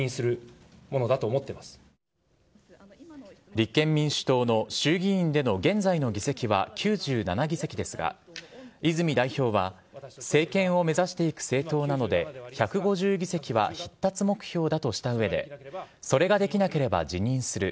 立憲民主党の衆議院での現在の議席は９７議席ですが泉代表は政権を目指していく政党なので１５０議席は必達目標だとした上でそれができなければ辞任する。